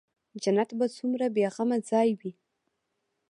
جنت به څومره بې غمه ځاى وي.